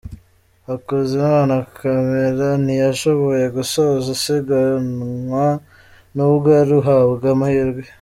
Hakuzimana Camera ntiyashoboye gusoza isiganwa nubwo yari mu habwa amahirwe.